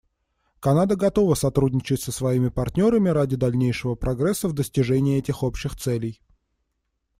Канада готова сотрудничать со своими партнерами ради дальнейшего прогресса в достижении этих общих целей.